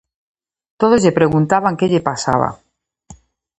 Todos lle preguntaban que lle pasaba.